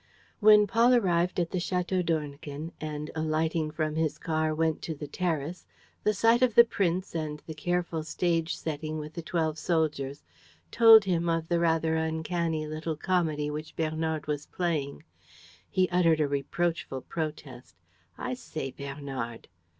When Paul arrived at the Château d'Ornequin and, alighting from his car, went to the terrace, the sight of the prince and the careful stage setting with the twelve soldiers told him of the rather uncanny little comedy which Bernard was playing. He uttered a reproachful protest: "I say! Bernard!"